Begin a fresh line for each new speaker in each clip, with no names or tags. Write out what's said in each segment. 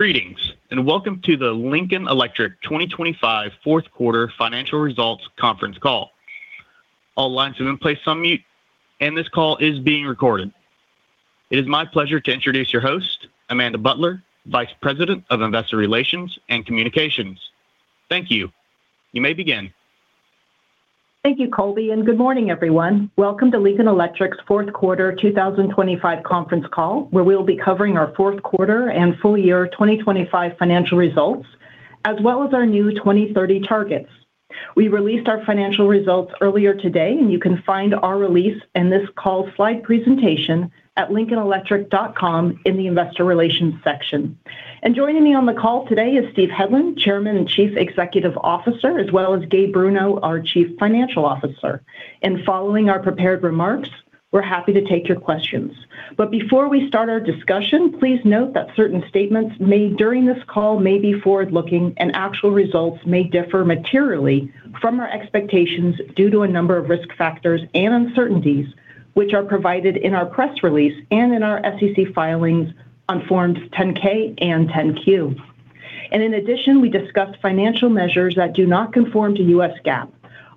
Greetings, and welcome to th`e Lincoln Electric 2025 fourth quarter financial results conference call. All lines have been placed on mute, and this call is being recorded. It is my pleasure to introduce your host, Amanda Butler, Vice President of Investor Relations and Communications. Thank you. You may begin.
Thank you, Colby, and good morning, everyone. Welcome to Lincoln Electric's fourth quarter 2025 conference call, where we'll be covering our fourth quarter and full year 2025 financial results, as well as our new 2030 targets. We released our financial results earlier today, and you can find our release and this call slide presentation at lincolnelectric.com in the Investor Relations section. Joining me on the call today is Steve Hedlund, Chairman and Chief Executive Officer, as well as Gabe Bruno, our Chief Financial Officer. Following our prepared remarks, we're happy to take your questions. Before we start our discussion, please note that certain statements made during this call may be forward-looking, and actual results may differ materially from our expectations due to a number of risk factors and uncertainties, which are provided in our press release and in our SEC filings on Forms 10-K and 10-Q. In addition, we discussed financial measures that do not conform to U.S. GAAP.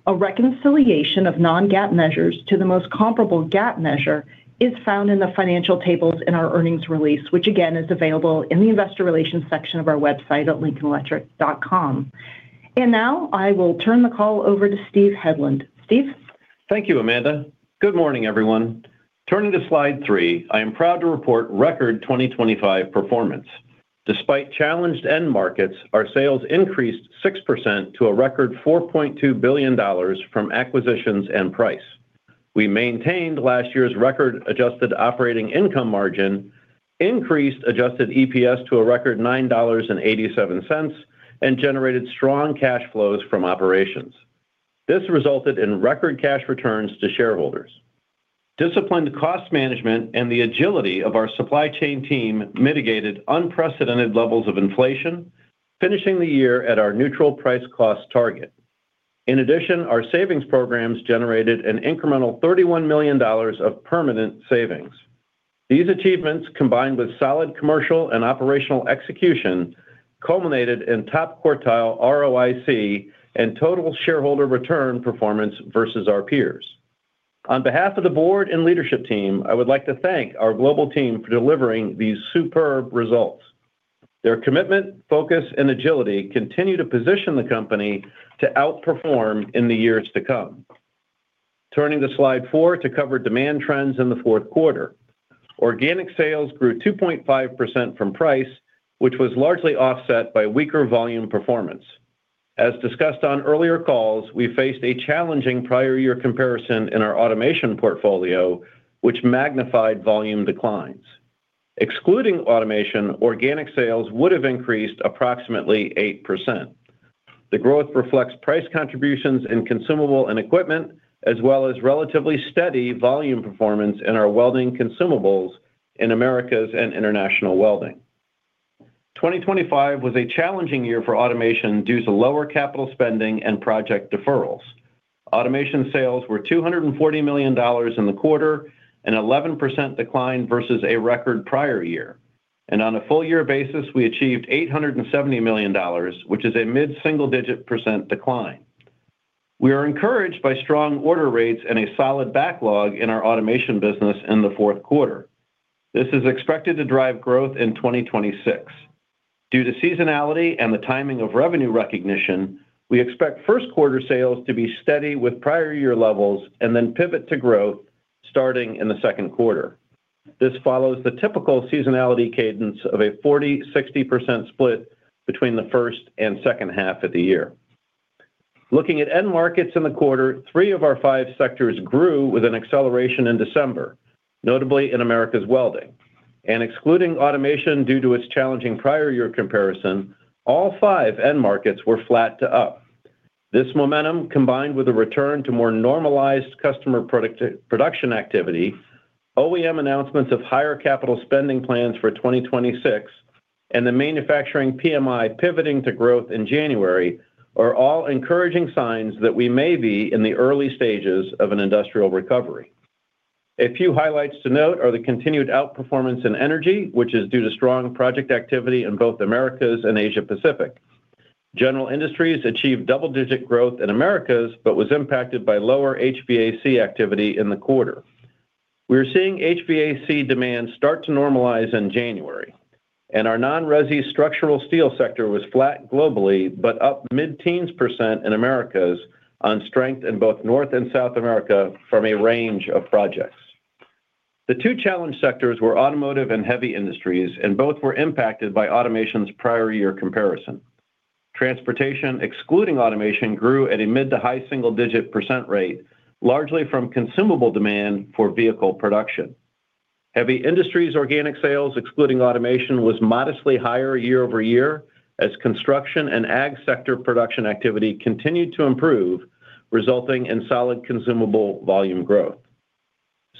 A reconciliation of non-GAAP measures to the most comparable GAAP measure is found in the financial tables in our earnings release, which again, is available in the Investor Relations section of our website at lincolnelectric.com. Now, I will turn the call over to Steve Hedlund. Steve?
Thank you, Amanda. Good morning, everyone. Turning to Slide 3, I am proud to report record 2025 performance. Despite challenged end markets, our sales increased 6% to a record $4.2 billion from acquisitions and price. We maintained last year's record adjusted operating income margin, increased adjusted EPS to a record $9.87, and generated strong cash flows from operations. This resulted in record cash returns to shareholders. Disciplined cost management and the agility of our supply chain team mitigated unprecedented levels of inflation, finishing the year at our neutral price cost target. In addition, our savings programs generated an incremental $31 million of permanent savings. These achievements, combined with solid commercial and operational execution, culminated in top-quartile ROIC and total shareholder return performance versus our peers. On behalf of the board and leadership team, I would like to thank our global team for delivering these superb results. Their commitment, focus, and agility continue to position the company to outperform in the years to come. Turning to Slide 4 to cover demand trends in the fourth quarter. Organic sales grew 2.5% from price, which was largely offset by weaker volume performance. As discussed on earlier calls, we faced a challenging prior year comparison in our automation portfolio, which magnified volume declines. Excluding automation, organic sales would have increased approximately 8%. The growth reflects price contributions in consumable and equipment, as well as relatively steady volume performance in our welding consumables in Americas and International Welding. 2025 was a challenging year for automation due to lower capital spending and project deferrals. Automation sales were $240 million in the quarter, an 11% decline versus a record prior year. On a full year basis, we achieved $870 million, which is a mid-single-digit % decline. We are encouraged by strong order rates and a solid backlog in our automation business in the fourth quarter. This is expected to drive growth in 2026. Due to seasonality and the timing of revenue recognition, we expect first quarter sales to be steady with prior year levels and then pivot to growth starting in the second quarter. This follows the typical seasonality cadence of a 40%-60% split between the first and second half of the year. Looking at end markets in the quarter, three of our five sectors grew with an acceleration in December, notably in Americas Welding. Excluding automation due to its challenging prior year comparison, all five end markets were flat to up. This momentum, combined with a return to more normalized customer product production activity, OEM announcements of higher capital spending plans for 2026, and the manufacturing PMI pivoting to growth in January, are all encouraging signs that we may be in the early stages of an industrial recovery. A few highlights to note are the continued outperformance in Energy, which is due to strong project activity in both Americas and Asia Pacific. General Industries achieved double-digit growth in Americas, but was impacted by lower HVAC activity in the quarter. We are seeing HVAC demand start to normalize in January, and our non-resi structural steel sector was flat globally, but up mid-teens% in Americas on strength in both North and South America from a range of projects. The two challenged sectors were Automotive and Heavy Industries, and both were impacted by automation's prior year comparison. Transportation, excluding automation, grew at a mid- to high-single-digit % rate, largely from consumable demand for vehicle production. Heavy Industries organic sales, excluding automation, was modestly higher year-over-year as construction and ag sector production activity continued to improve, resulting in solid consumable volume growth.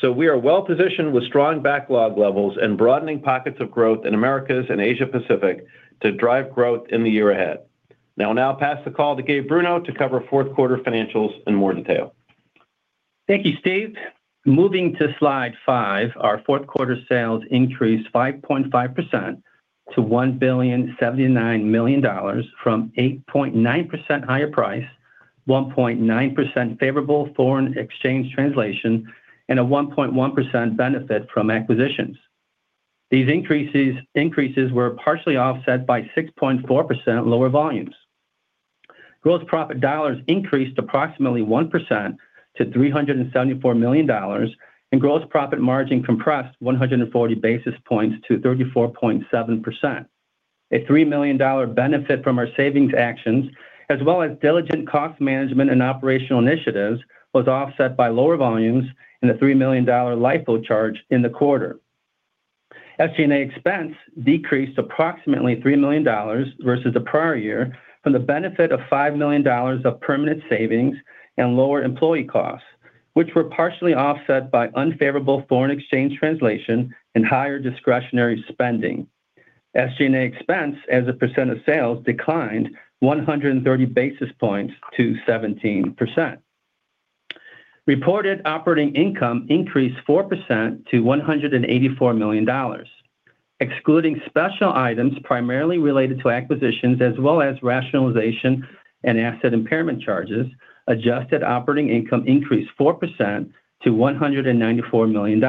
So we are well-positioned with strong backlog levels and broadening pockets of growth in Americas and Asia Pacific to drive growth in the year ahead. I will now pass the call to Gabe Bruno to cover fourth quarter financials in more detail.
Thank you, Steve. Moving to Slide 5, our fourth quarter sales increased 5.5% to $1,079 million from 8.9% higher price, 1.9% favorable foreign exchange translation, and a 1.1% benefit from acquisitions. These increases were partially offset by 6.4% lower volumes. Gross profit dollars increased approximately 1% to $374 million, and gross profit margin compressed 140 basis points to 34.7%. A $3 million benefit from our savings actions, as well as diligent cost management and operational initiatives, was offset by lower volumes and a $3 million LIFO charge in the quarter. SG&A expense decreased approximately $3 million versus the prior year from the benefit of $5 million of permanent savings and lower employee costs, which were partially offset by unfavorable foreign exchange translation and higher discretionary spending. SG&A expense as a percent of sales declined 130 basis points to 17%. Reported operating income increased 4% to $184 million. Excluding special items, primarily related to acquisitions, as well as rationalization and asset impairment charges, adjusted operating income increased 4% to $194 million.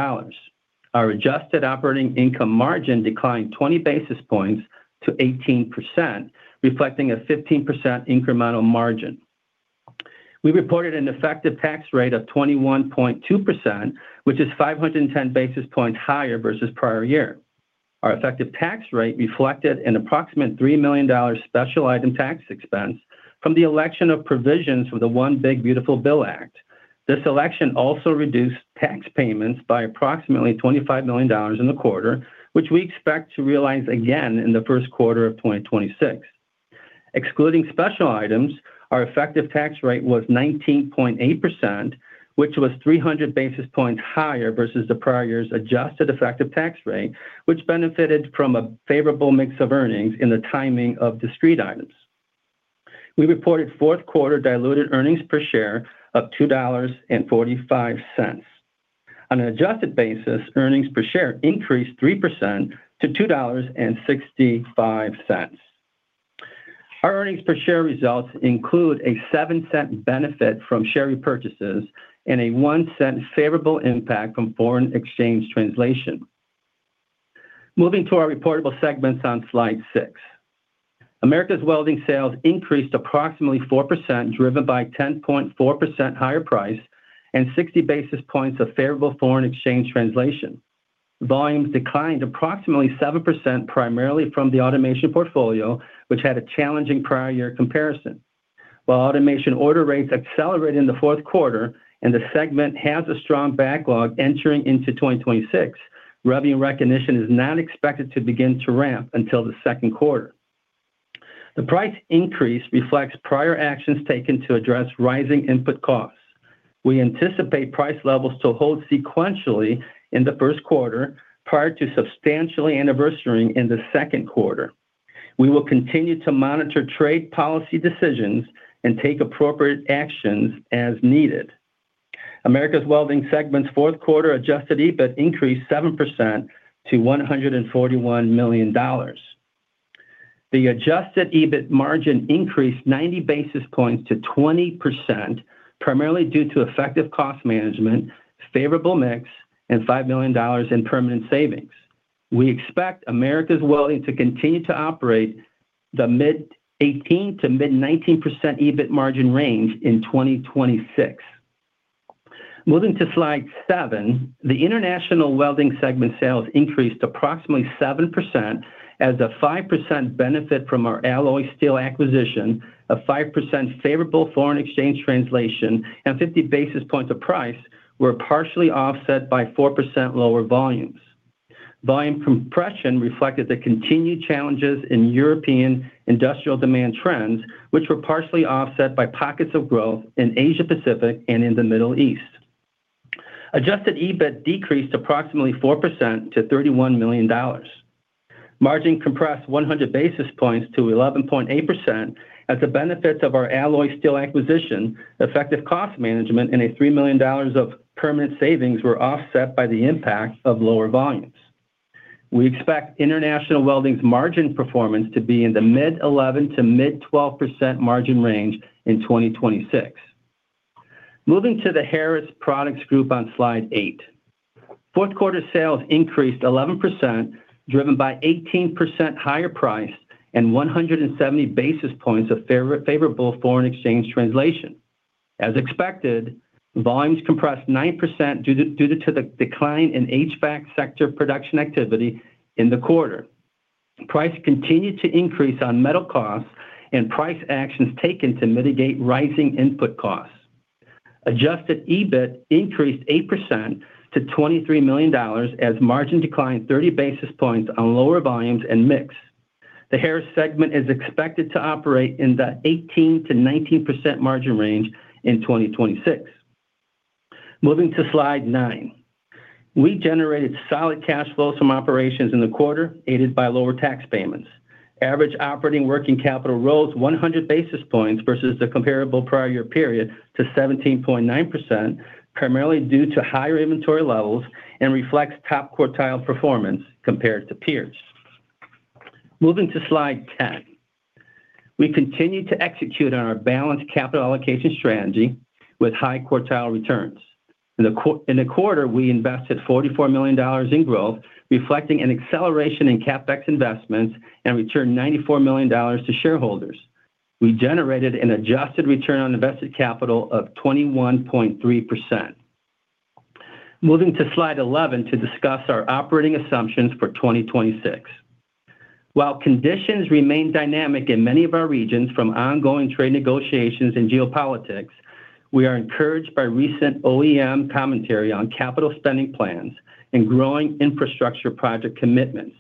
Our adjusted operating income margin declined 20 basis points to 18%, reflecting a 15% incremental margin. We reported an effective tax rate of 21.2%, which is 510 basis points higher versus prior year. Our effective tax rate reflected an approximate $3 million special item tax expense from the election of provisions with the One Big Beautiful Bill Act. This election also reduced tax payments by approximately $25 million in the quarter, which we expect to realize again in the first quarter of 2026. Excluding special items, our effective tax rate was 19.8%, which was 300 basis points higher versus the prior year's adjusted effective tax rate, which benefited from a favorable mix of earnings in the timing of discrete items. We reported fourth quarter diluted earnings per share of $2.45. On an adjusted basis, earnings per share increased 3% to $2.65. Our earnings per share results include a $0.07 benefit from share repurchases and a $0.01 favorable impact from foreign exchange translation. Moving to our reportable segments on Slide 6. Americas Welding sales increased approximately 4%, driven by 10.4% higher price and 60 basis points of favorable foreign exchange translation. Volumes declined approximately 7%, primarily from the automation portfolio, which had a challenging prior year comparison. While automation order rates accelerated in the fourth quarter and the segment has a strong backlog entering into 2026, revenue recognition is not expected to begin to ramp until the second quarter. The price increase reflects prior actions taken to address rising input costs. We anticipate price levels to hold sequentially in the first quarter, prior to substantially anniversarying in the second quarter. We will continue to monitor trade policy decisions and take appropriate actions as needed. Americas Welding segment's fourth quarter Adjusted EBIT increased 7% to $141 million. The Adjusted EBIT margin increased 90 basis points to 20%, primarily due to effective cost management, favorable mix, and $5 million in permanent savings. We expect Americas Welding to continue to operate the mid-18% to mid-19% EBIT margin range in 2026. Moving to Slide 7, the International Welding segment sales increased approximately 7% as a 5% benefit from our alloy steel acquisition, a 5% favorable foreign exchange translation, and 50 basis points of price were partially offset by 4% lower volumes. Volume compression reflected the continued challenges in European industrial demand trends, which were partially offset by pockets of growth in Asia Pacific and in the Middle East. Adjusted EBIT decreased approximately 4% to $31 million. Margin compressed 100 basis points to 11.8% as the benefits of our alloy steel acquisition, effective cost management, and $3 million of permanent savings were offset by the impact of lower volumes. We expect International Welding's margin performance to be in the mid-11% to mid-12% margin range in 2026. Moving to the Harris Products Group on Slide 8. Fourth quarter sales increased 11%, driven by 18% higher price and 170 basis points of favorable foreign exchange translation. As expected, volumes compressed 9% due to the decline in HVAC sector production activity in the quarter. Price continued to increase on metal costs and price actions taken to mitigate rising input costs. Adjusted EBIT increased 8% to $23 million as margin declined 30 basis points on lower volumes and mix. The Harris segment is expected to operate in the 18%-19% margin range in 2026. Moving to Slide 9, We generated solid cash flows from operations in the quarter, aided by lower tax payments. Average operating working capital rose 100 basis points versus the comparable prior year period to 17.9%, primarily due to higher inventory levels and reflects top-quartile performance compared to peers. Moving to Slide 10. We continued to execute on our balanced capital allocation strategy with high-quartile returns. In the quarter, we invested $44 million in growth, reflecting an acceleration in CapEx investments and returned $94 million to shareholders. We generated an adjusted return on invested capital of 21.3%. Moving to Slide 11 to discuss our operating assumptions for 2026. While conditions remain dynamic in many of our regions from ongoing trade negotiations and geopolitics, we are encouraged by recent OEM commentary on capital spending plans and growing infrastructure project commitments.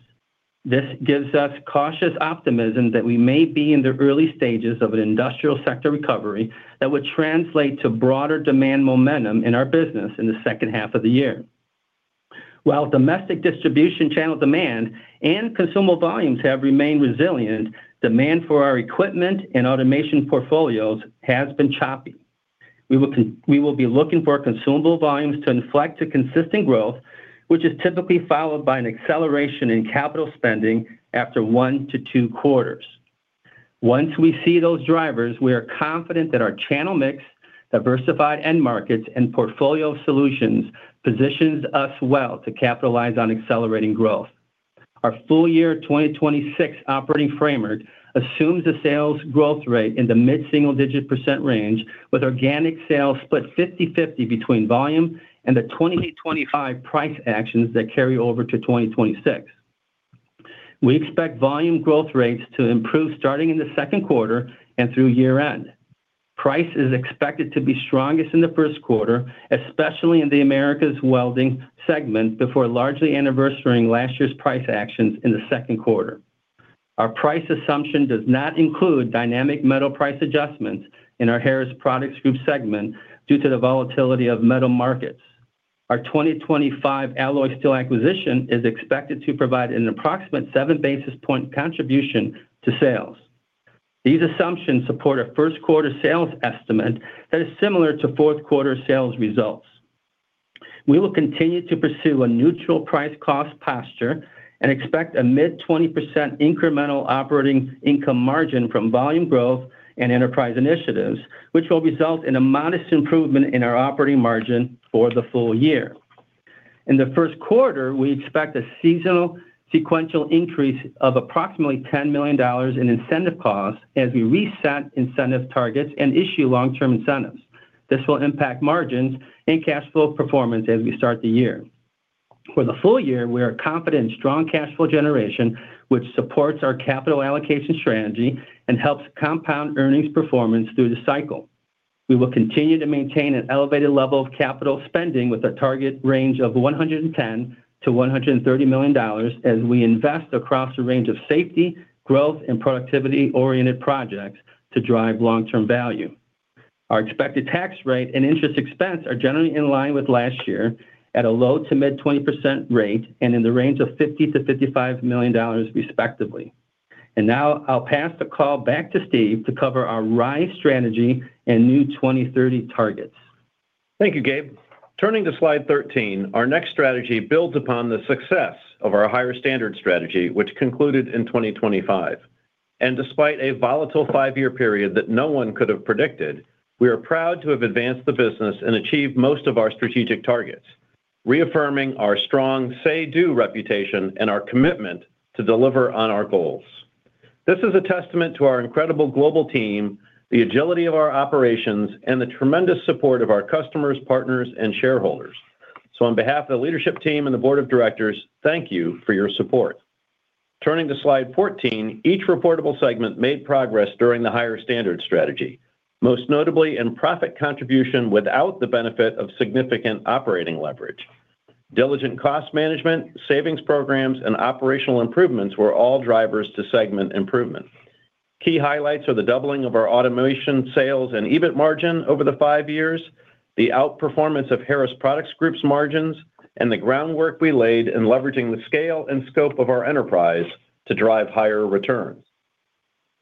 This gives us cautious optimism that we may be in the early stages of an industrial sector recovery that would translate to broader demand momentum in our business in the second half of the year. While domestic distribution channel demand and consumable volumes have remained resilient, demand for our equipment and automation portfolios has been choppy. We will be looking for consumable volumes to inflect to consistent growth, which is typically followed by an acceleration in capital spending after one to two quarters. Once we see those drivers, we are confident that our channel mix, diversified end markets, and portfolio solutions positions us well to capitalize on accelerating growth. Our full year 2026 operating framework assumes a sales growth rate in the mid-single-digit % range, with organic sales split 50/50 between volume and the 2025 price actions that carry over to 2026. We expect volume growth rates to improve starting in the second quarter and through year-end. Price is expected to be strongest in the first quarter, especially in the Americas Welding segment, before largely anniversarying last year's price actions in the second quarter. Our price assumption does not include dynamic metal price adjustments in our Harris Products Group segment due to the volatility of metal markets. Our 2025 alloy steel acquisition is expected to provide an approximate 7 basis points contribution to sales. These assumptions support a first quarter sales estimate that is similar to fourth quarter sales results. We will continue to pursue a neutral price cost posture and expect a mid-20% incremental operating income margin from volume growth and enterprise initiatives, which will result in a modest improvement in our operating margin for the full year. In the first quarter, we expect a seasonal sequential increase of approximately $10 million in incentive costs as we reset incentive targets and issue long-term incentives. This will impact margins and cash flow performance as we start the year. For the full year, we are confident in strong cash flow generation, which supports our capital allocation strategy and helps compound earnings performance through the cycle. We will continue to maintain an elevated level of capital spending with a target range of $110 million-$130 million as we invest across a range of safety, growth, and productivity-oriented projects to drive long-term value. Our expected tax rate and interest expense are generally in line with last year at a low-to-mid 20% rate and in the range of $50-$55 million, respectively. Now I'll pass the call back to Steve to cover our RISE strategy and new 2030 targets.
Thank you, Gabe. Turning to Slide 13, our next strategy builds upon the success of our Higher Standard strategy, which concluded in 2025. Despite a volatile five-year period that no one could have predicted, we are proud to have advanced the business and achieved most of our strategic targets, reaffirming our strong Say-Do reputation and our commitment to deliver on our goals. This is a testament to our incredible global team, the agility of our operations, and the tremendous support of our customers, partners, and shareholders. On behalf of the leadership team and the board of directors, thank you for your support. Turning to Slide 14, each reportable segment made progress during the Higher Standard strategy, most notably in profit contribution without the benefit of significant operating leverage. Diligent cost management, savings programs, and operational improvements were all drivers to segment improvement. Key highlights are the doubling of our automation, sales, and EBIT margin over the five years, the outperformance of Harris Products Group's margins, and the groundwork we laid in leveraging the scale and scope of our enterprise to drive higher returns.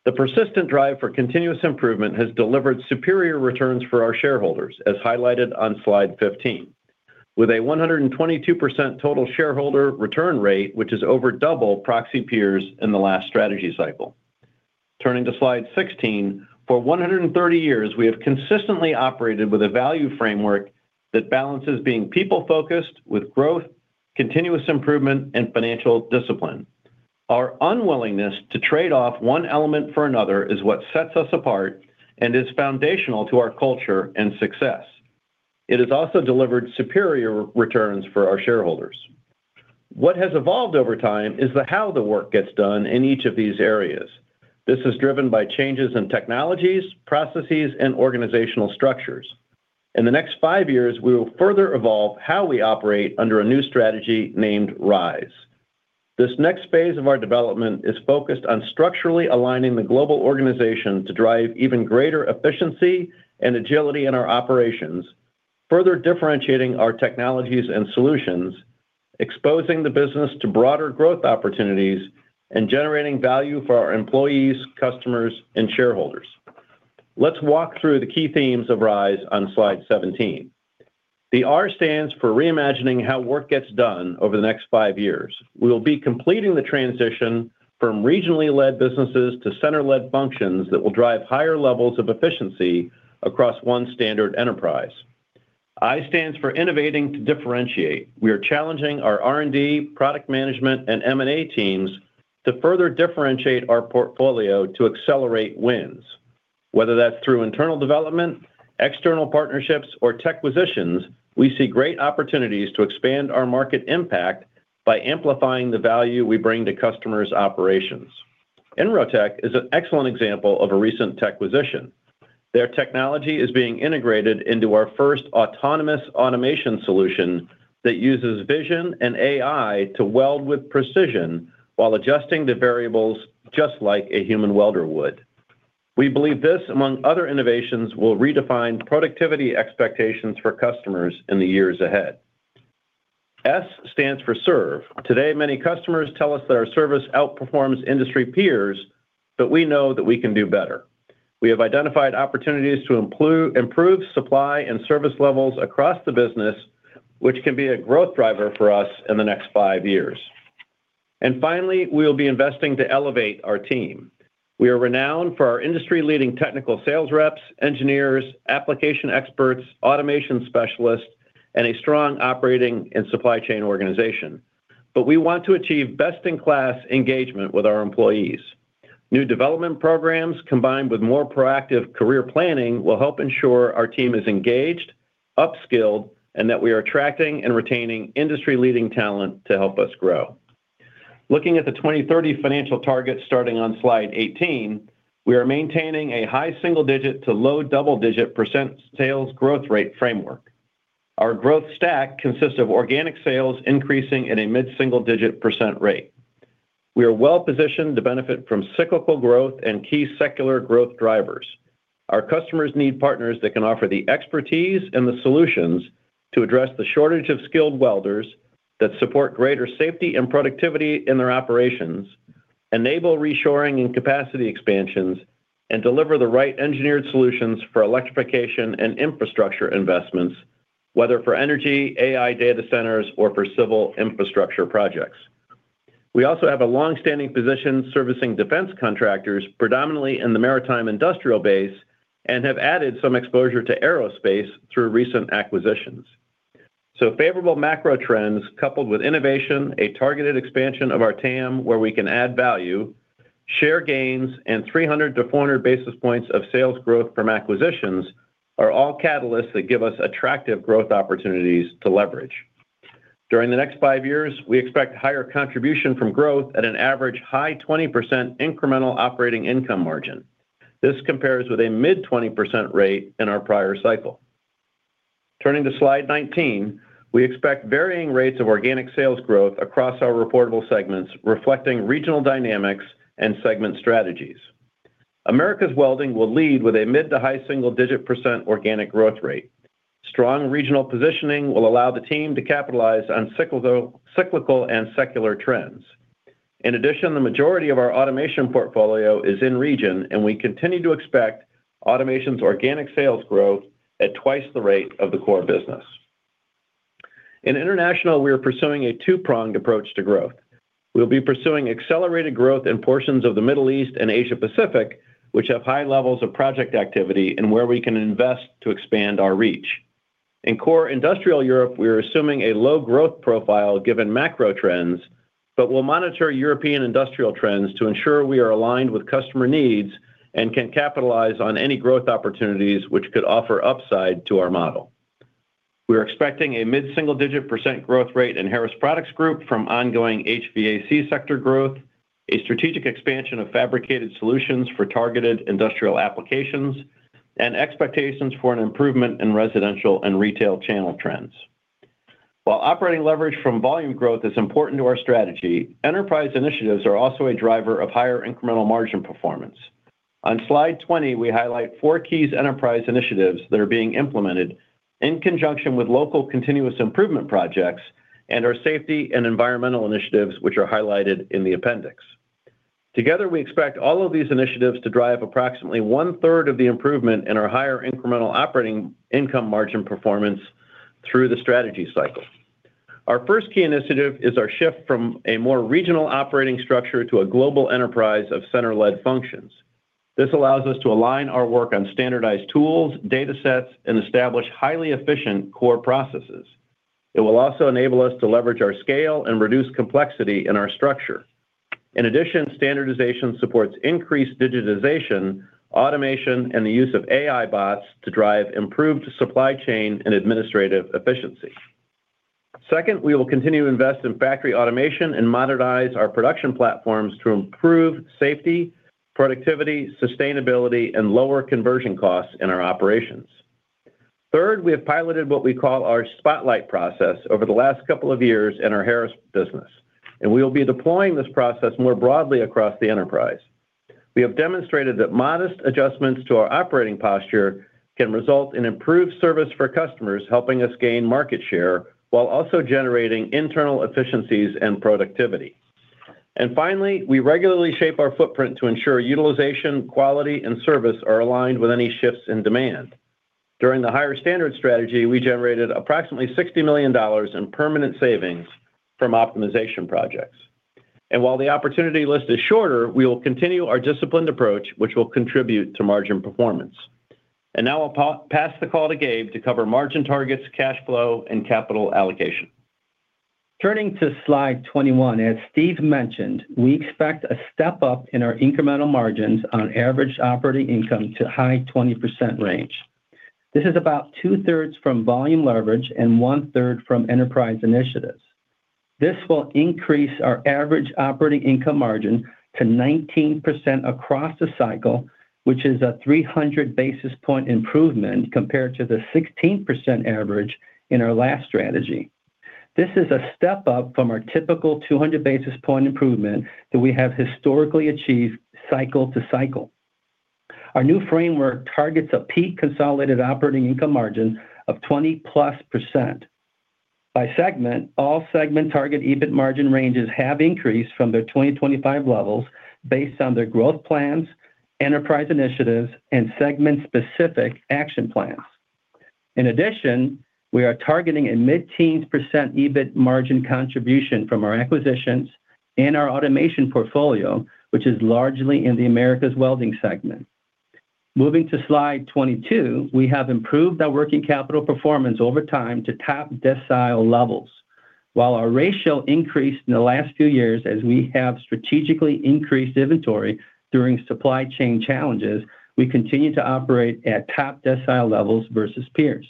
The persistent drive for continuous improvement has delivered superior returns for our shareholders, as highlighted on Slide 15, with a 122% total shareholder return rate, which is over double proxy peers in the last strategy cycle. Turning to Slide 16, for 130 years, we have consistently operated with a value framework that balances being people-focused with growth, continuous improvement, and financial discipline. Our unwillingness to trade off one element for another is what sets us apart and is foundational to our culture and success. It has also delivered superior returns for our shareholders. What has evolved over time is the how the work gets done in each of these areas. This is driven by changes in technologies, processes, and organizational structures. In the next five years, we will further evolve how we operate under a new strategy named RISE. This next phase of our development is focused on structurally aligning the global organization to drive even greater efficiency and agility in our operations, further differentiating our technologies and solutions, exposing the business to broader growth opportunities, and generating value for our employees, customers, and shareholders. Let's walk through the key themes of RISE on Slide 17. The R stands for Reimagining how work gets done over the next five years. We will be completing the transition from regionally led businesses to center-led functions that will drive higher levels of efficiency across one standard enterprise. I stands for Innovating to differentiate. We are challenging our R&D, product management, and M&A teams to further differentiate our portfolio to accelerate wins, whether that's through internal development, external partnerships, or techquisitions. We see great opportunities to expand our market impact by amplifying the value we bring to customers' operations. Inrotech is an excellent example of a recent tech acquisition. Their technology is being integrated into our first autonomous automation solution that uses vision and AI to weld with precision while adjusting the variables just like a human welder would. We believe this, among other innovations, will redefine productivity expectations for customers in the years ahead. S stands for Serve. Today, many customers tell us that our service outperforms industry peers, but we know that we can do better. We have identified opportunities to improve supply and service levels across the business, which can be a growth driver for us in the next five years. And finally, we will be investing to elevate our team. We are renowned for our industry-leading technical sales reps, engineers, application experts, automation specialists, and a strong operating and supply chain organization. But we want to achieve best-in-class engagement with our employees. New development programs, combined with more proactive career planning, will help ensure our team is engaged, upskilled, and that we are attracting and retaining industry-leading talent to help us grow. Looking at the 2030 financial targets, starting on Slide 18, we are maintaining a high single-digit to low double-digit % sales growth rate framework. Our growth stack consists of organic sales increasing at a mid-single-digit % rate. We are well positioned to benefit from cyclical growth and key secular growth drivers. Our customers need partners that can offer the expertise and the solutions to address the shortage of skilled welders that support greater safety and productivity in their operations, enable reshoring and capacity expansions, and deliver the right engineered solutions for electrification and infrastructure investments, whether for Energy, AI data centers, or for civil infrastructure projects. We also have a long-standing position servicing defense contractors, predominantly in the maritime industrial base, and have added some exposure to aerospace through recent acquisitions. So favorable macro trends, coupled with innovation, a targeted expansion of our TAM, where we can add value, share gains, and 300-400 basis points of sales growth from acquisitions, are all catalysts that give us attractive growth opportunities to leverage. During the next five years, we expect higher contribution from growth at an average high 20% Incremental Operating Income Margin. This compares with a mid-20% rate in our prior cycle. Turning to Slide 19, we expect varying rates of organic sales growth across our reportable segments, reflecting regional dynamics and segment strategies. Americas Welding will lead with a mid- to high single-digit % organic growth rate. Strong regional positioning will allow the team to capitalize on cyclical, cyclical and secular trends. In addition, the majority of our automation portfolio is in region, and we continue to expect automation's organic sales growth at twice the rate of the core business. In International, we are pursuing a two-pronged approach to growth. We'll be pursuing accelerated growth in portions of the Middle East and Asia Pacific, which have high levels of project activity and where we can invest to expand our reach. In core industrial Europe, we are assuming a low growth profile given macro trends, but we'll monitor European industrial trends to ensure we are aligned with customer needs and can capitalize on any growth opportunities which could offer upside to our model. We are expecting a mid-single-digit % growth rate in Harris Products Group from ongoing HVAC sector growth, a strategic expansion of fabricated solutions for targeted industrial applications, and expectations for an improvement in residential and retail channel trends. While operating leverage from volume growth is important to our strategy, enterprise initiatives are also a driver of higher incremental margin performance. On Slide 20, we highlight four key enterprise initiatives that are being implemented in conjunction with local continuous improvement projects and our safety and environmental initiatives, which are highlighted in the appendix. Together, we expect all of these initiatives to drive approximately one-third of the improvement in our higher incremental operating income margin performance through the strategy cycle. Our first key initiative is our shift from a more regional operating structure to a global enterprise of center-led functions. This allows us to align our work on standardized tools, data sets, and establish highly efficient core processes. It will also enable us to leverage our scale and reduce complexity in our structure. In addition, standardization supports increased digitization, automation, and the use of AI bots to drive improved supply chain and administrative efficiency. Second, we will continue to invest in factory automation and modernize our production platforms to improve safety, productivity, sustainability, and lower conversion costs in our operations. Third, we have piloted what we call our Spotlight process over the last couple of years in our Harris business, and we will be deploying this process more broadly across the enterprise. We have demonstrated that modest adjustments to our operating posture can result in improved service for customers, helping us gain market share, while also generating internal efficiencies and productivity. And finally, we regularly shape our footprint to ensure utilization, quality, and service are aligned with any shifts in demand. During the Higher Standard Strategy, we generated approximately $60 million in permanent savings from optimization projects. And while the opportunity list is shorter, we will continue our disciplined approach, which will contribute to margin performance. Now I'll pass the call to Gabe to cover margin targets, cash flow, and capital allocation.
Turning to Slide 21, as Steve mentioned, we expect a step-up in our incremental margins on average operating income to high 20% range. This is about two-thirds from volume leverage and one-third from enterprise initiatives. This will increase our average operating income margin to 19% across the cycle, which is a 300 basis point improvement compared to the 16% average in our last strategy. This is a step-up from our typical 200 basis point improvement that we have historically achieved cycle to cycle. Our new framework targets a peak consolidated operating income margin of 20%+. By segment, all segment target EBIT margin ranges have increased from their 2025 levels based on their growth plans, enterprise initiatives, and segment-specific action plans. In addition, we are targeting a mid-teens % EBIT margin contribution from our acquisitions and our automation portfolio, which is largely in the Americas Welding segment. Moving to Slide 22, we have improved our working capital performance over time to top decile levels. While our ratio increased in the last few years as we have strategically increased inventory during supply chain challenges, we continue to operate at top decile levels versus peers.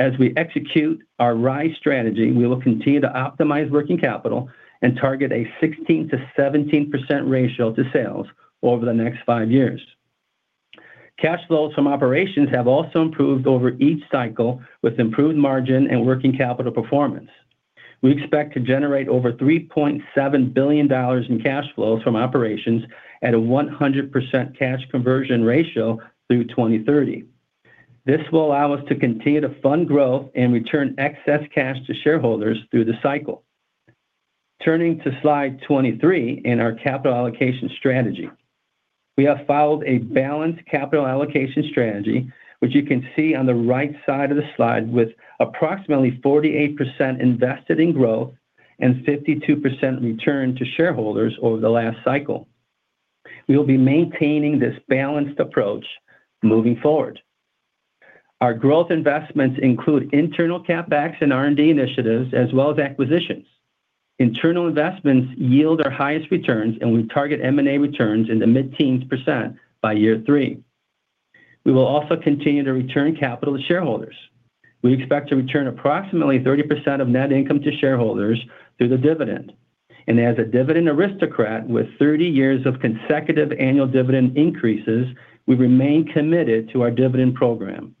As we execute our RISE strategy, we will continue to optimize working capital and target a 16%-17% ratio to sales over the next five years. Cash flows from operations have also improved over each cycle, with improved margin and working capital performance. We expect to generate over $3.7 billion in cash flows from operations at a 100% cash conversion ratio through 2030. This will allow us to continue to fund growth and return excess cash to shareholders through the cycle. Turning to Slide 23, in our capital allocation strategy. We have followed a balanced capital allocation strategy, which you can see on the right side of the slide, with approximately 48% invested in growth and 52% returned to shareholders over the last cycle. We will be maintaining this balanced approach moving forward. Our growth investments include internal CapEx and R&D initiatives, as well as acquisitions. Internal investments yield our highest returns, and we target M&A returns in the mid-teens % by year three. We will also continue to return capital to shareholders. We expect to return approximately 30% of net income to shareholders through the dividend. As a Dividend Aristocrat with 30 years of consecutive annual dividend increases, we remain committed to our dividend program.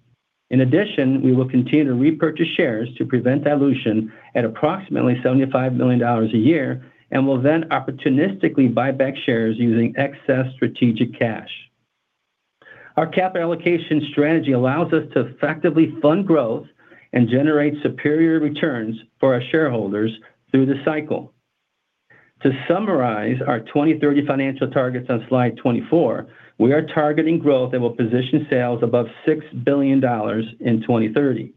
In addition, we will continue to repurchase shares to prevent dilution at approximately $75 million a year and will then opportunistically buy back shares using excess strategic cash. Our capital allocation strategy allows us to effectively fund growth and generate superior returns for our shareholders through the cycle. To summarize our 2030 financial targets on Slide 24, we are targeting growth that will position sales above $6 billion in 2030.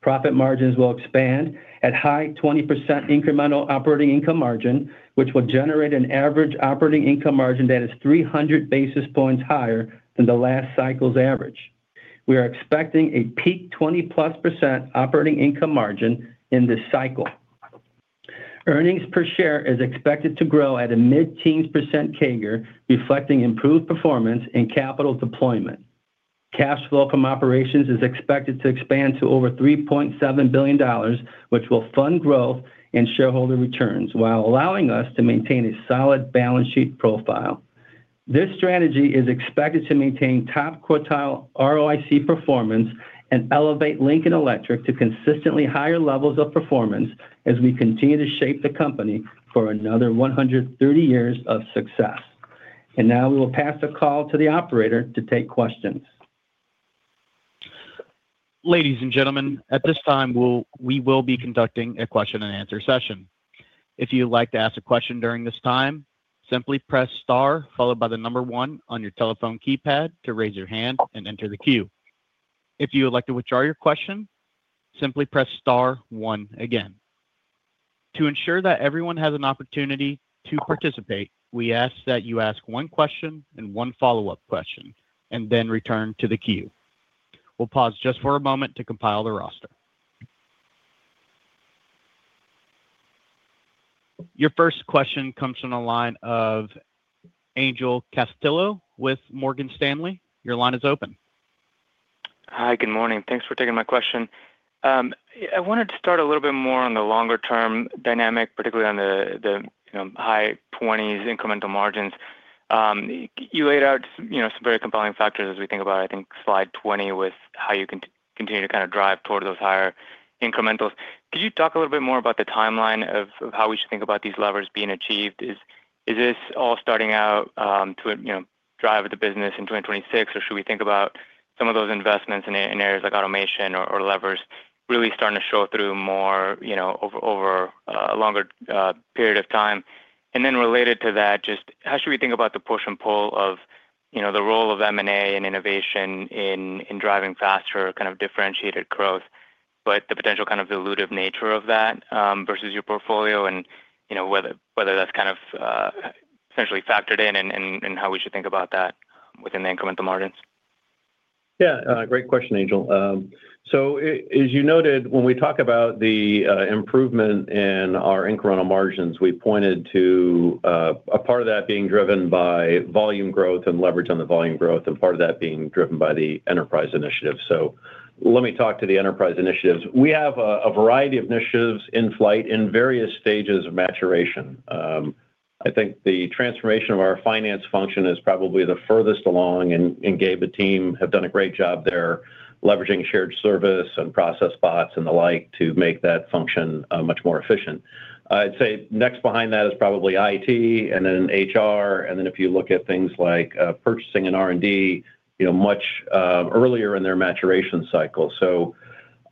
Profit margins will expand at high 20% incremental operating income margin, which will generate an average operating income margin that is 300 basis points higher than the last cycle's average. We are expecting a peak 20+% operating income margin in this cycle. Earnings per share is expected to grow at a mid-teens% CAGR, reflecting improved performance in capital deployment. Cash flow from operations is expected to expand to over $3.7 billion, which will fund growth and shareholder returns while allowing us to maintain a solid balance sheet profile. This strategy is expected to maintain top-quartile ROIC performance and elevate Lincoln Electric to consistently higher levels of performance as we continue to shape the company for another 130 years of success. Now we will pass the call to the operator to take questions.
Ladies and gentlemen, at this time, we'll be conducting a question-and-answer session. If you'd like to ask a question during this time, simply press star, followed by the number 1 on your telephone keypad to raise your hand and enter the queue. If you would like to withdraw your question, simply press star 1 again. To ensure that everyone has an opportunity to participate, we ask that you ask one question and one follow-up question and then return to the queue. We'll pause just for a moment to compile the roster. Your first question comes from the line of Angel Castillo with Morgan Stanley. Your line is open.
Hi, good morning. Thanks for taking my question. I wanted to start a little bit more on the longer term dynamic, particularly on the you know high 20s incremental margins. You laid out you know some very compelling factors as we think about I think Slide 20 with how you can continue to kind of drive toward those higher incrementals. Could you talk a little bit more about the timeline of how we should think about these levers being achieved? Is this all starting out to you know drive the business in 2026? Or should we think about some of those investments in areas like automation or levers really starting to show through more you know over a longer period of time? And then related to that, just how should we think about the push and pull of, you know, the role of M&A and innovation in driving faster, kind of differentiated growth, but the potential kind of elusive nature of that versus your portfolio? And, you know, whether that's kind of essentially factored in and how we should think about that within the incremental margins.
Yeah, great question, Angel. So as you noted, when we talk about the improvement in our incremental margins, we pointed to a part of that being driven by volume growth and leverage on the volume growth, and part of that being driven by the enterprise initiative. So let me talk to the enterprise initiatives. We have a variety of initiatives in flight in various stages of maturation. I think the transformation of our finance function is probably the furthest along, and Gabe and team have done a great job there, leveraging shared service and process bots and the like to make that function much more efficient. I'd say next behind that is probably IT and then HR. And then if you look at things like purchasing and R&D, you know, much earlier in their maturation cycle.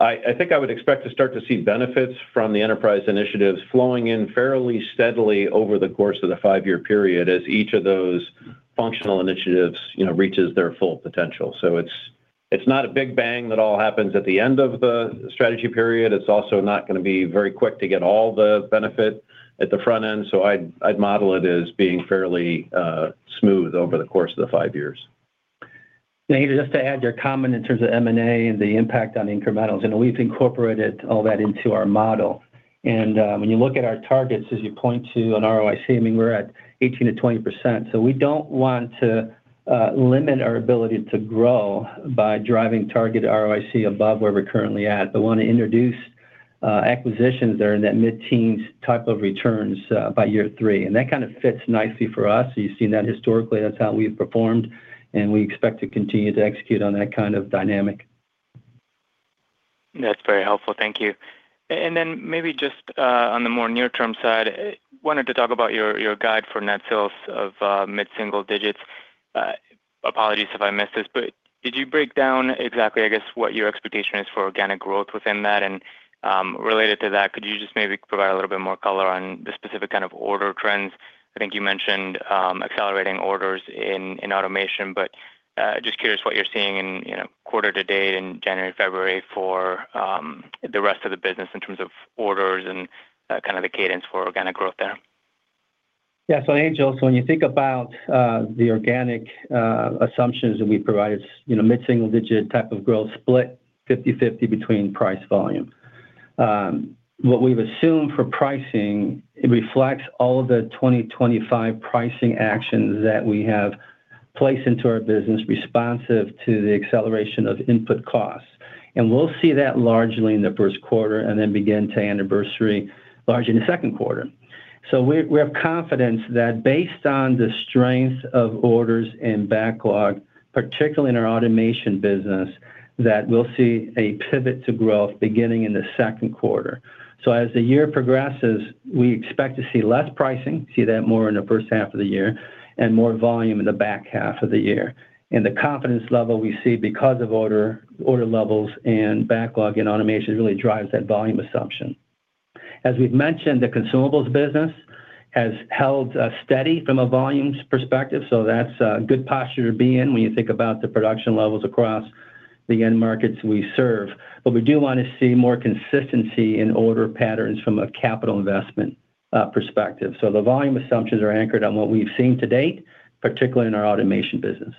So I think I would expect to start to see benefits from the enterprise initiatives flowing in fairly steadily over the course of the five-year period, as each of those functional initiatives, you know, reaches their full potential. So it's not a big bang that all happens at the end of the strategy period. It's also not gonna be very quick to get all the benefit at the front end, so I'd model it as being fairly smooth over the course of the five years.
Just to add your comment in terms of M&A and the impact on incrementals, and we've incorporated all that into our model. When you look at our targets, as you point to on ROIC, I mean, we're at 18%-20%, so we don't want to limit our ability to grow by driving target ROIC above where we're currently at, but want to introduce acquisitions that are in that mid-teens type of returns by year three, and that kind of fits nicely for us. So you've seen that historically, that's how we've performed, and we expect to continue to execute on that kind of dynamic.
That's very helpful. Thank you. And then maybe just, on the more near-term side, wanted to talk about your, your guide for net sales of, mid-single digits. Apologies if I missed this, but did you break down exactly, I guess, what your expectation is for organic growth within that? And, related to that, could you just maybe provide a little bit more color on the specific kind of order trends? I think you mentioned, accelerating orders in, in automation, but, just curious what you're seeing in, you know, quarter to date in January, February for, the rest of the business in terms of orders and, kind of the cadence for organic growth there.
Yeah. So, Angel, so when you think about the organic assumptions that we provided, you know, mid-single-digit type of growth split 50/50 between price volume. What we've assumed for pricing, it reflects all of the 2025 pricing actions that we have placed into our business, responsive to the acceleration of input costs. And we'll see that largely in the first quarter and then begin to anniversary, largely in the second quarter. So we have confidence that based on the strength of orders and backlog, particularly in our automation business, that we'll see a pivot to growth beginning in the second quarter. So as the year progresses, we expect to see less pricing, see that more in the first half of the year, and more volume in the back half of the year. The confidence level we see because of order, order levels and backlog and automation really drives that volume assumption. As we've mentioned, the consumables business has held steady from a volumes perspective, so that's a good posture to be in when you think about the production levels across the end markets we serve. We do want to see more consistency in order patterns from a capital investment perspective. The volume assumptions are anchored on what we've seen to date, particularly in our automation business.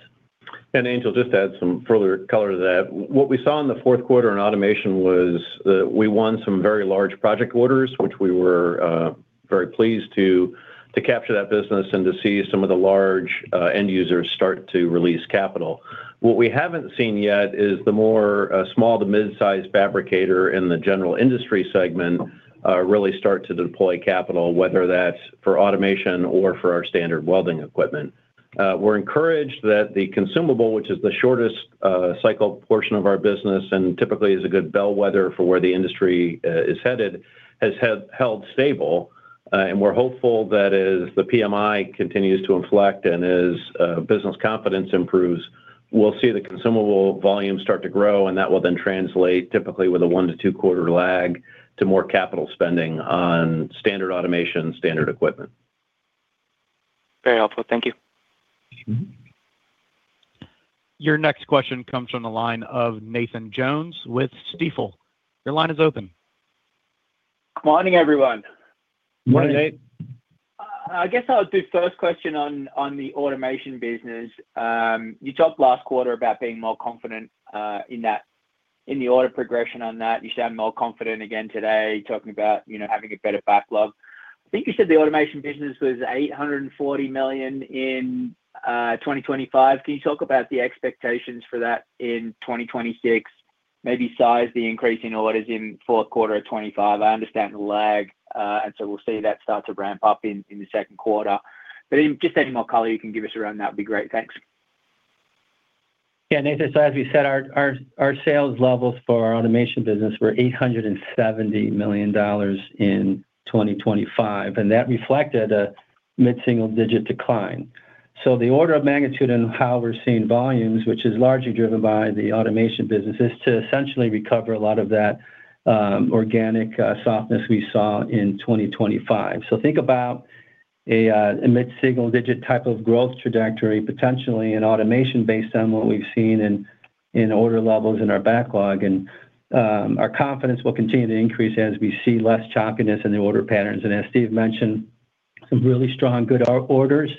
And, Angel, just to add some further color to that. What we saw in the fourth quarter in automation was that we won some very large project orders, which we were very pleased to capture that business and to see some of the large end users start to release capital. What we haven't seen yet is the more small to mid-sized fabricator in the general industry segment really start to deploy capital, whether that's for automation or for our standard welding equipment. We're encouraged that the consumable, which is the shortest cycle portion of our business and typically is a good bellwether for where the industry is headed, has held stable. We're hopeful that as the PMI continues to inflect and as business confidence improves, we'll see the consumable volume start to grow, and that will then translate, typically with a 1-2 quarter lag, to more capital spending on standard automation, standard equipment.
Very helpful. Thank you.
Mm-hmm.
Your next question comes from the line of Nathan Jones with Stifel. Your line is open.
Good morning, everyone.
Good morning.
Morning.
I guess I'll do the first question on the automation business. You talked last quarter about being more confident in the order progression on that. You sound more confident again today, talking about, you know, having a better backlog. I think you said the automation business was $840 million in 2025. Can you talk about the expectations for that in 2026? Maybe size the increase in orders in the fourth quarter of 2025. I understand the lag, and so we'll see that start to ramp up in the second quarter. But just any more color you can give us around that would be great. Thanks.
Yeah, Nathan, so as we said, our sales levels for our automation business were $870 million in 2025, and that reflected a mid-single-digit decline. So the order of magnitude and how we're seeing volumes, which is largely driven by the automation business, is to essentially recover a lot of that organic softness we saw in 2025. So think about a mid-single digit type of growth trajectory, potentially in automation, based on what we've seen in order levels in our backlog. And our confidence will continue to increase as we see less choppiness in the order patterns. And as Steve mentioned, some really strong, good our orders.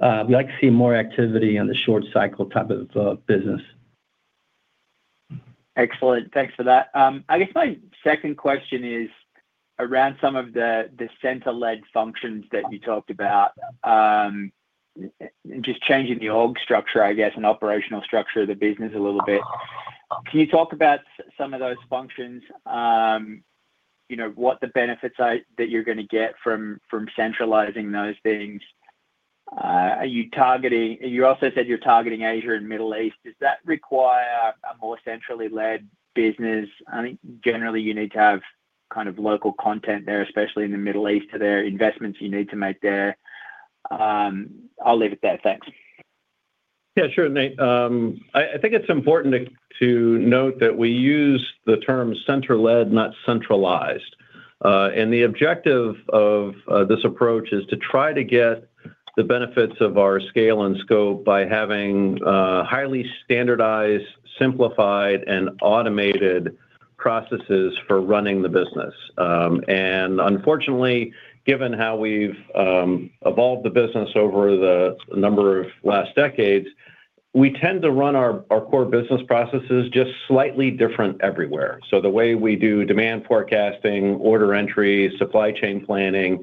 We like to see more activity on the short cycle type of business.
Excellent. Thanks for that. I guess my second question is around some of the center-led functions that you talked about. Just changing the org structure, I guess, and operational structure of the business a little bit. Can you talk about some of those functions? You know, what the benefits are that you're going to get from centralizing those things? Are you targeting— You also said you're targeting Asia and Middle East. Does that require a more centrally led business? I think generally you need to have kind of local content there, especially in the Middle East. Are there investments you need to make there? I'll leave it there. Thanks.
Yeah, sure, Nate. I think it's important to note that we use the term center-led, not centralized. The objective of this approach is to try to get the benefits of our scale and scope by having highly standardized, simplified, and automated processes for running the business. Unfortunately, given how we've evolved the business over the number of last decades, we tend to run our core business processes just slightly different everywhere. So the way we do demand forecasting, order entry, supply chain planning,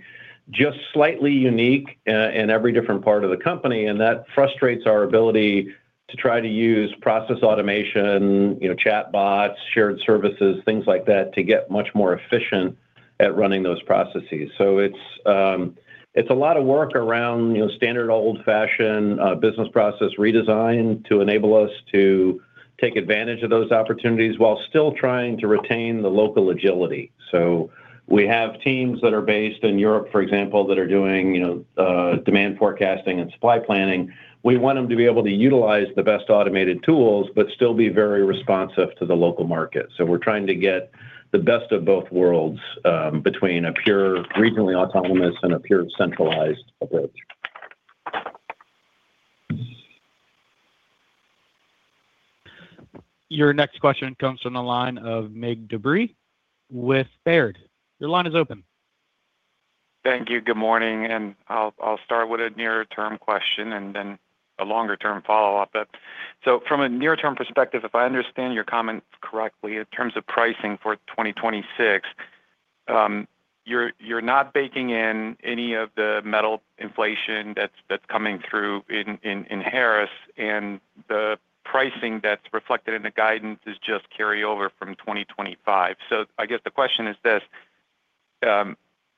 just slightly unique in every different part of the company, and that frustrates our ability to try to use process automation, you know, chat bots, shared services, things like that, to get much more efficient at running those processes. So it's a lot of work around, you know, standard, old-fashioned business process redesign to enable us to take advantage of those opportunities while still trying to retain the local agility. So we have teams that are based in Europe, for example, that are doing, you know, demand forecasting and supply planning. We want them to be able to utilize the best automated tools, but still be very responsive to the local market. So we're trying to get the best of both worlds, between a pure, regionally autonomous and a pure centralized approach.
Your next question comes from the line of Mig Dobre with Baird. Your line is open.
Thank you. Good morning, and I'll start with a near-term question and then a longer-term follow-up. So from a near-term perspective, if I understand your comments correctly, in terms of pricing for 2026, you're not baking in any of the metal inflation that's coming through in Harris, and the pricing that's reflected in the guidance is just carryover from 2025. So I guess the question is this: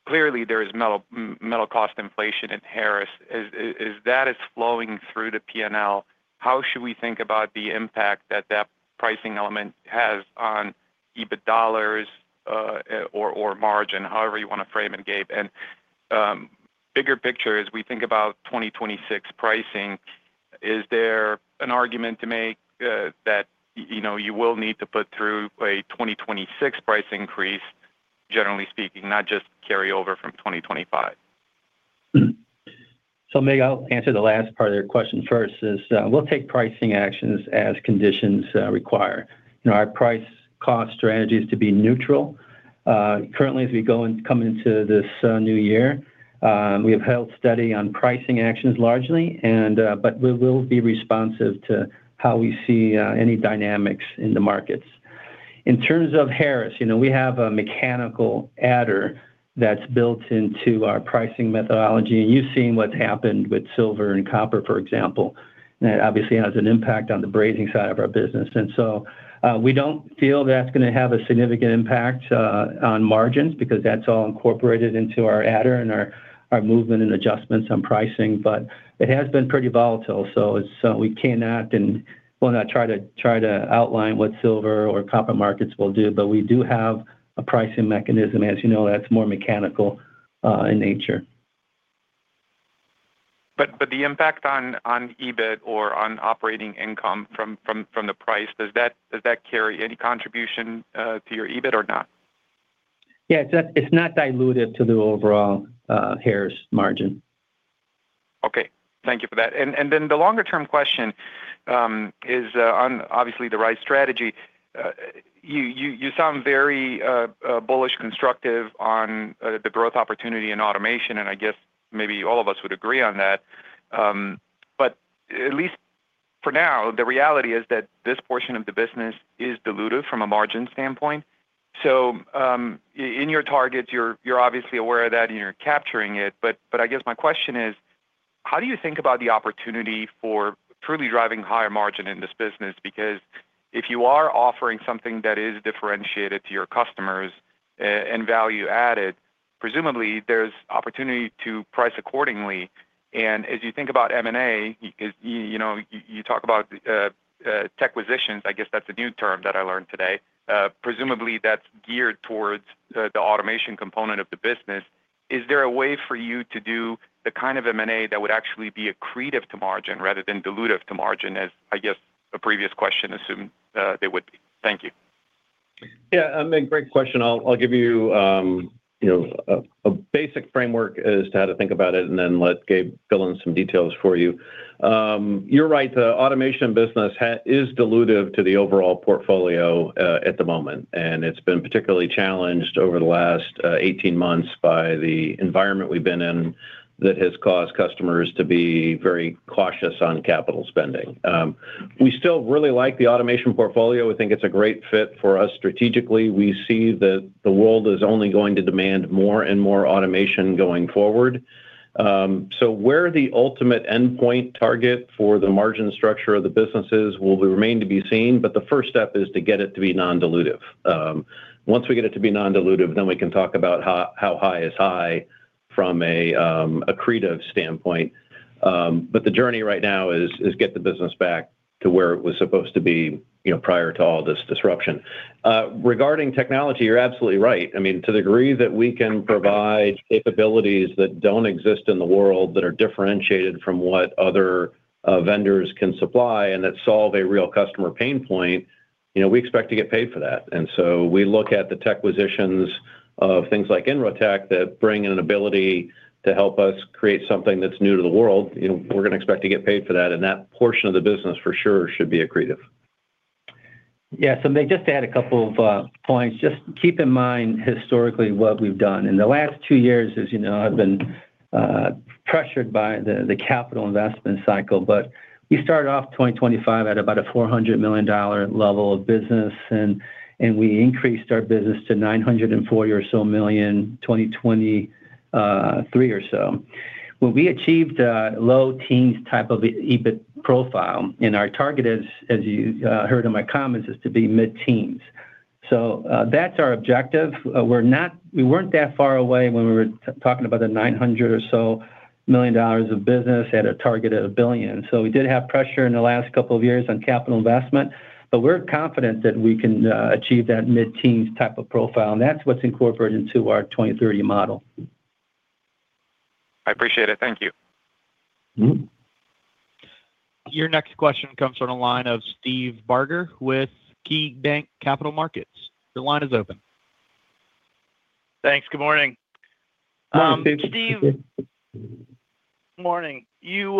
clearly, there is metal cost inflation in Harris. Is that flowing through the P&L, how should we think about the impact that pricing element has on EBIT dollars, or margin, however you want to frame it, Gabe? Bigger picture, as we think about 2026 pricing, is there an argument to make that, you know, you will need to put through a 2026 price increase, generally speaking, not just carry over from 2025?
So, Mig, I'll answer the last part of your question first is, we'll take pricing actions as conditions require. You know, our price-cost strategy is to be neutral. Currently, as we go and come into this new year, we have held steady on pricing actions largely, and but we will be responsive to how we see any dynamics in the markets. In terms of Harris, you know, we have a mechanical adder that's built into our pricing methodology, and you've seen what's happened with silver and copper, for example. And that obviously has an impact on the brazing side of our business. And so, we don't feel that's gonna have a significant impact on margins because that's all incorporated into our adder and our movement and adjustments on pricing, but it has been pretty volatile, so it's we cannot and will not try to outline what silver or copper markets will do, but we do have a pricing mechanism, as you know, that's more mechanical in nature.
But the impact on EBIT or on operating income from the price, does that carry any contribution to your EBIT or not?
Yeah, it's not, it's not dilutive to the overall Harris margin.
Okay. Thank you for that. And then the longer-term question is on obviously the right strategy. You sound very bullish, constructive on the growth opportunity in automation, and I guess maybe all of us would agree on that. But for now, the reality is that this portion of the business is dilutive from a margin standpoint. So in your targets, you're obviously aware of that, and you're capturing it. But I guess my question is: how do you think about the opportunity for truly driving higher margin in this business? Because if you are offering something that is differentiated to your customers and value-added, presumably there's opportunity to price accordingly. As you think about M&A, 'cause, you know, you talk about techquisitions, I guess that's a new term that I learned today. Presumably, that's geared towards the automation component of the business. Is there a way for you to do the kind of M&A that would actually be accretive to margin rather than dilutive to margin, as I guess a previous question assumed they would be? Thank you.
Yeah, great question. I'll give you, you know, a basic framework as to how to think about it, and then let Gabe fill in some details for you. You're right, the automation business is dilutive to the overall portfolio, at the moment, and it's been particularly challenged over the last 18 months by the environment we've been in, that has caused customers to be very cautious on capital spending. We still really like the automation portfolio. We think it's a great fit for us strategically. We see that the world is only going to demand more and more automation going forward. So where the ultimate endpoint target for the margin structure of the businesses will remain to be seen, but the first step is to get it to be non-dilutive. Once we get it to be non-dilutive, then we can talk about how high is high from a accretive standpoint. But the journey right now is get the business back to where it was supposed to be, you know, prior to all this disruption. Regarding technology, you're absolutely right. I mean, to the degree that we can provide capabilities that don't exist in the world, that are differentiated from what other vendors can supply and that solve a real customer pain point, you know, we expect to get paid for that. And so we look at the tech acquisitions of things like Inrotech, that bring in an ability to help us create something that's new to the world, you know, we're gonna expect to get paid for that, and that portion of the business, for sure, should be accretive.
Yeah, so let me just add a couple of points. Just keep in mind, historically, what we've done. In the last two years, as you know, have been pressured by the capital investment cycle, but we started off 2025 at about a $400 million level of business and we increased our business to $940 million or so, 2023 or so. When we achieved a low teens type of EBIT profile, and our target is, as you heard in my comments, is to be mid-teens. So, that's our objective. We're not. We weren't that far away when we were talking about the $900 million or so of business at a target of $1 billion. So we did have pressure in the last couple of years on capital investment, but we're confident that we can achieve that mid-teens type of profile, and that's what's incorporated into our 2030 model.
I appreciate it. Thank you.
Mm-hmm.
Your next question comes from the line of Steve Barger with KeyBanc Capital Markets. Your line is open.
Thanks. Good morning.
Good morning, Steve.
Steve, morning. You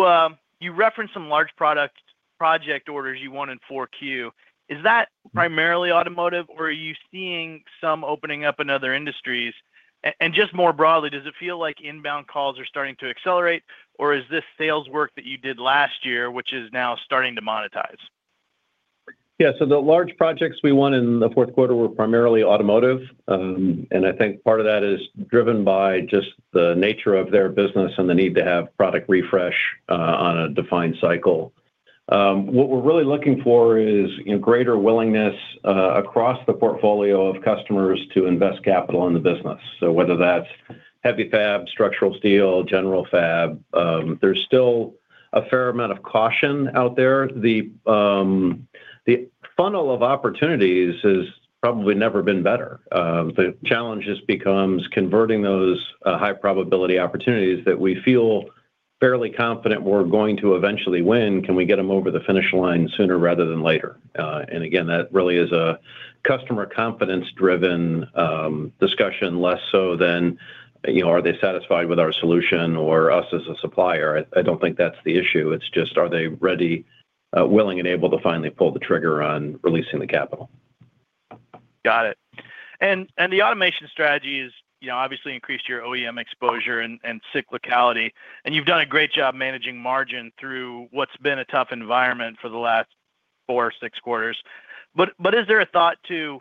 referenced some large product project orders you won in Q4. Is that primarily automotive, or are you seeing some opening up in other industries? And just more broadly, does it feel like inbound calls are starting to accelerate, or is this sales work that you did last year, which is now starting to monetize?
Yeah. So the large projects we won in the fourth quarter were primarily automotive, and I think part of that is driven by just the nature of their business and the need to have product refresh, on a defined cycle. What we're really looking for is, you know, greater willingness, across the portfolio of customers to invest capital in the business. So whether that's heavy fab, structural steel, general fab, there's still a fair amount of caution out there. The funnel of opportunities has probably never been better. The challenge just becomes converting those, high-probability opportunities that we feel fairly confident we're going to eventually win, can we get them over the finish line sooner rather than later? and again, that really is a customer confidence-driven discussion, less so than, you know, are they satisfied with our solution or us as a supplier? I, I don't think that's the issue. It's just, are they ready, willing, and able to finally pull the trigger on releasing the capital?
Got it. And the automation strategy is, you know, obviously increased your OEM exposure and cyclicality, and you've done a great job managing margin through what's been a tough environment for the last 4 or 6 quarters. But is there a thought to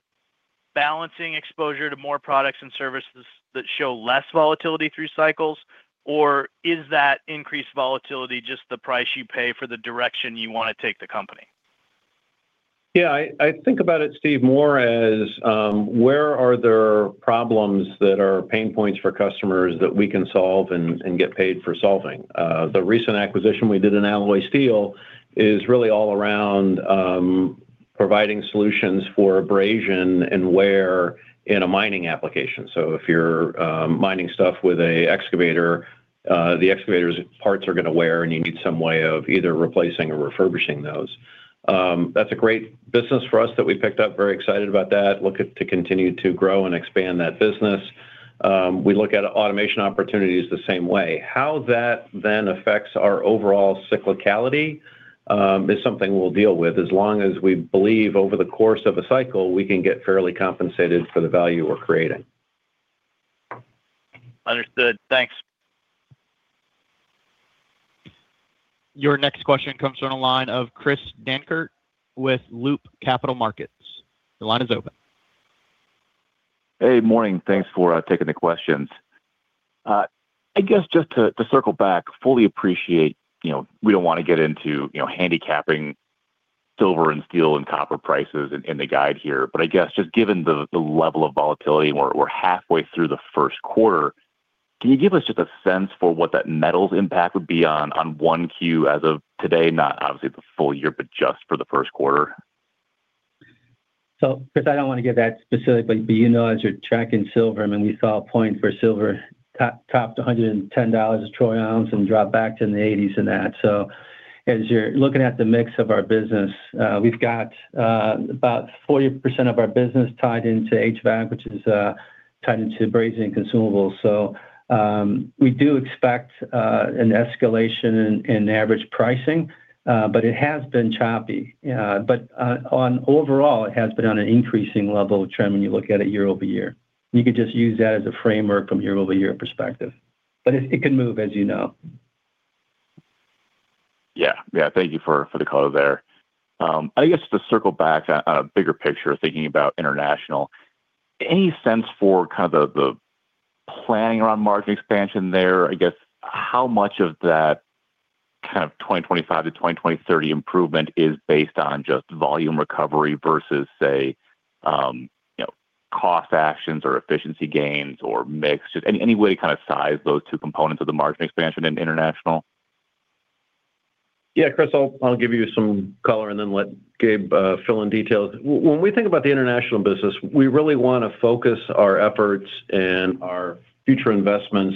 balancing exposure to more products and services that show less volatility through cycles, or is that increased volatility just the price you pay for the direction you wanna take the company?
Yeah, I, I think about it, Steve, more as where are there problems that are pain points for customers that we can solve and, and get paid for solving? The recent acquisition we did in alloy steel is really all around providing solutions for abrasion and wear in a mining application. So if you're mining stuff with a excavator, the excavator's parts are gonna wear, and you need some way of either replacing or refurbishing those. That's a great business for us that we picked up. Very excited about that. Look at to continue to grow and expand that business. We look at automation opportunities the same way. How that then affects our overall cyclicality is something we'll deal with as long as we believe over the course of a cycle, we can get fairly compensated for the value we're creating.
Understood. Thanks.
Your next question comes from the line of Chris Dankert with Loop Capital Markets. Your line is open.
Hey, morning. Thanks for taking the questions. I guess just to circle back, fully appreciate, you know, we don't wanna get into, you know, handicapping silver and steel and copper prices in the guide here. But I guess just given the level of volatility, and we're halfway through the first quarter, can you give us just a sense for what that metals impact would be on 1Q as of today? Not obviously the full year, but just for the first quarter.
So, Chris, I don't wanna get that specific, but you know, as you're tracking silver, I mean, we saw a point for silver topped $110 troy ounce and drop back to the 80s and that. So as you're looking at the mix of our business, we've got about 40% of our business tied into HVAC, which is tied into brazing and consumables. So we do expect an escalation in average pricing, but it has been choppy. But on overall, it has been on an increasing level trend when you look at it year-over-year. You could just use that as a framework from year-over-year perspective. But it can move, as you know.
Yeah. Yeah, thank you for, for the color there. I guess to circle back on, on a bigger picture, thinking about international, any sense for kind of the, the planning around margin expansion there? I guess, how much of that kind of 2025-2030 improvement is based on just volume recovery versus, say, you know, cost actions or efficiency gains or mix? Just any, any way to kind of size those two components of the margin expansion in international?
Yeah, Chris, I'll give you some color and then let Gabe fill in details. When we think about the international business, we really wanna focus our efforts and our future investments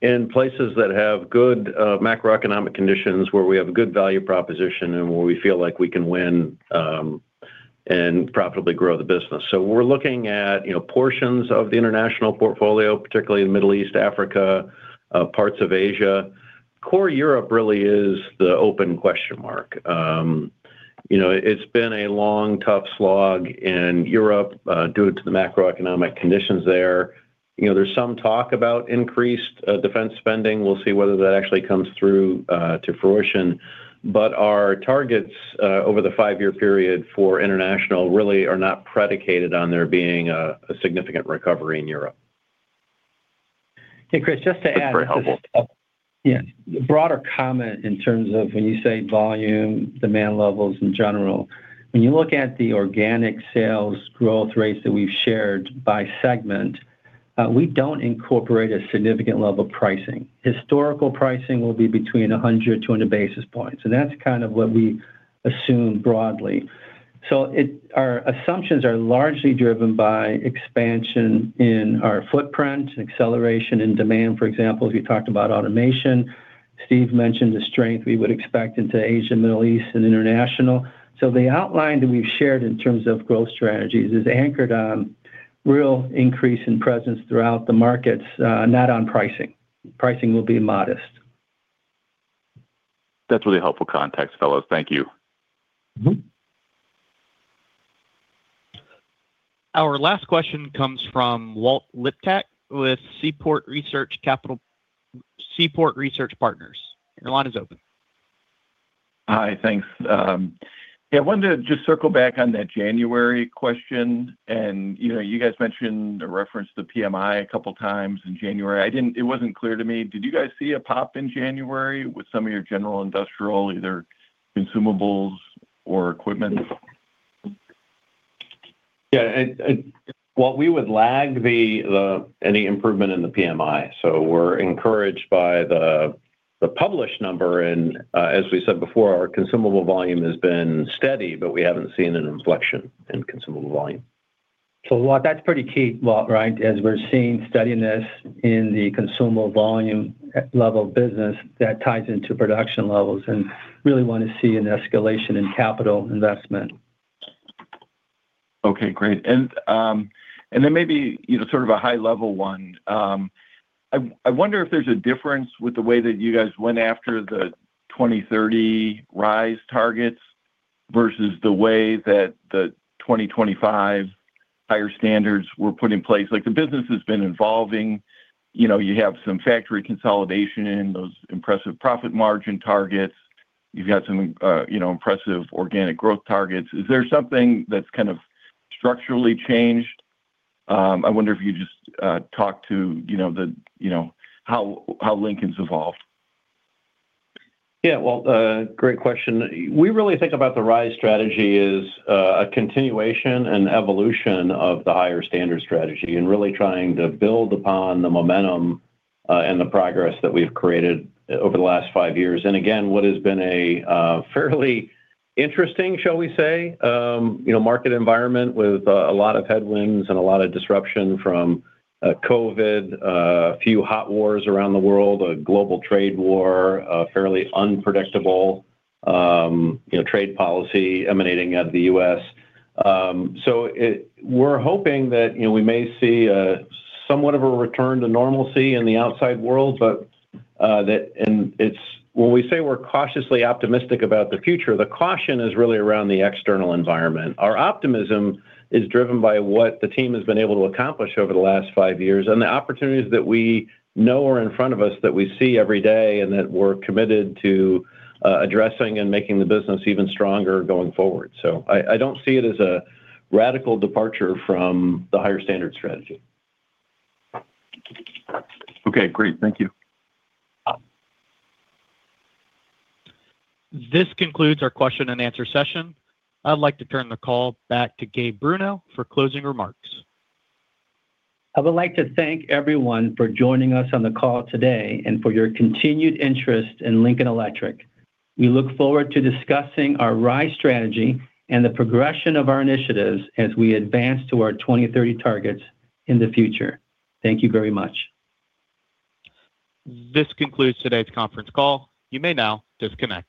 in places that have good macroeconomic conditions, where we have a good value proposition, and where we feel like we can win and profitably grow the business. So we're looking at, you know, portions of the international portfolio, particularly in Middle East, Africa, parts of Asia. Core Europe really is the open question mark. You know, it's been a long, tough slog in Europe due to the macroeconomic conditions there. You know, there's some talk about increased defense spending. We'll see whether that actually comes through to fruition. But our targets over the 5-year period for international really are not predicated on there being a significant recovery in Europe.
Hey, Chris, just to add-
That's very helpful.
Yeah. Broader comment in terms of when you say volume, demand levels in general. When you look at the organic sales growth rates that we've shared by segment, we don't incorporate a significant level of pricing. Historical pricing will be between 100-200 basis points, and that's kind of what we assume broadly. So our assumptions are largely driven by expansion in our footprint, acceleration in demand. For example, we talked about automation. Steve mentioned the strength we would expect into Asia, Middle East, and International. So the outline that we've shared in terms of growth strategies is anchored on real increase in presence throughout the markets, not on pricing. Pricing will be modest.
That's really helpful context, fellows. Thank you.
Mm-hmm.
Our last question comes from Walt Liptak with Seaport Research Partners. Your line is open.
Hi, thanks. Yeah, I wanted to just circle back on that January question. You know, you guys mentioned a reference to the PMI a couple of times in January. It wasn't clear to me. Did you guys see a pop in January with some of your general industrial, either consumables or equipment?
Yeah, and Walt, we would lag any improvement in the PMI. So we're encouraged by the published number, and as we said before, our consumable volume has been steady, but we haven't seen an inflection in consumable volume.
So Walt, that's pretty key, Walt, right? As we're seeing steadiness in the consumable volume level business, that ties into production levels and really wanna see an escalation in capital investment.
Okay, great. And then maybe, you know, sort of a high-level one. I wonder if there's a difference with the way that you guys went after the 2030 RISE targets versus the way that the 2025 Higher Standard were put in place. Like, the business has been evolving. You know, you have some factory consolidation, those impressive profit margin targets. You've got some, you know, impressive organic growth targets. Is there something that's kind of structurally changed? I wonder if you just talk to, you know, the, you know, how, how Lincoln's evolved.
Yeah, Walt, great question. We really think about the RISE strategy as a continuation and evolution of the Higher Standard strategy, and really trying to build upon the momentum and the progress that we've created over the last five years. And again, what has been a fairly interesting, shall we say, you know, market environment with a lot of headwinds and a lot of disruption from COVID, a few hot wars around the world, a global trade war, a fairly unpredictable, you know, trade policy emanating out of the U.S. So we're hoping that, you know, we may see somewhat of a return to normalcy in the outside world, but that and it's when we say we're cautiously optimistic about the future, the caution is really around the external environment. Our optimism is driven by what the team has been able to accomplish over the last five years, and the opportunities that we know are in front of us, that we see every day, and that we're committed to addressing and making the business even stronger going forward. So I, I don't see it as a radical departure from the Higher Standard strategy.
Okay, great. Thank you.
Uh.
This concludes our question and answer session. I'd like to turn the call back to Gabe Bruno for closing remarks.
I would like to thank everyone for joining us on the call today, and for your continued interest in Lincoln Electric. We look forward to discussing our RISE strategy and the progression of our initiatives as we advance to our 2030 targets in the future. Thank you very much.
This concludes today's conference call. You may now disconnect.